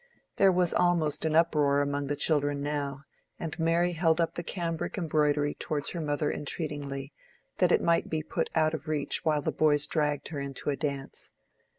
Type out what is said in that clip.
There was almost an uproar among the children now, and Mary held up the cambric embroidery towards her mother entreatingly, that it might be put out of reach while the boys dragged her into a dance.